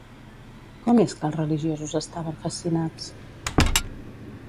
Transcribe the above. Com és que els religiosos estaven fascinats?